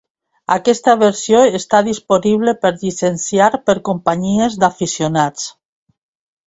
Aquesta versió està disponible per llicenciar per companyies d'aficionats.